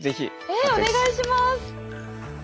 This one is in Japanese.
えお願いします。